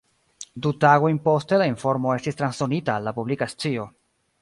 Du tagojn poste la informo estis transdonita al la publika scio.